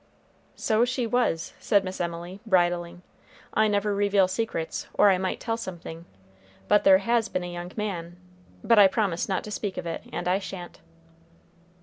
"So she was," said Miss Emily, bridling. "I never reveal secrets, or I might tell something, but there has been a young man, but I promised not to speak of it, and I sha'n't."